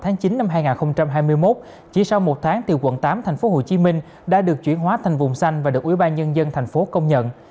trường một địa bàn có tới hơn bảy f vào tháng chín năm hai nghìn hai mươi một chỉ sau một tháng từ quận tám thành phố hồ chí minh đã được chuyển hóa thành vùng xanh và được ủy ban nhân dân thành phố công nhận